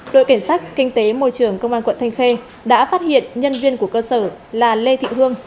đội cảnh sát kinh tế môi trường công an quận thanh khê đã phát hiện nhân viên của cơ sở là lê thị hương